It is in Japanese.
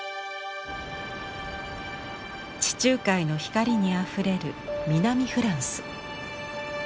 地中海の光にあふれる南フランス。